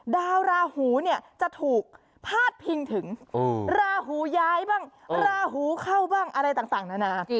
ดาวราหูเนี่ยจะถูกพาดพิงถึงราหูย้ายบ้างราหูเข้าบ้างอะไรต่างนานา